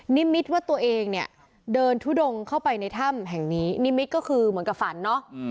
นิมิตว่าตัวเองเนี่ยเดินทุดงเข้าไปในถ้ำแห่งนี้นิมิตก็คือเหมือนกับฝันเนาะ